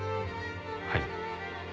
はい。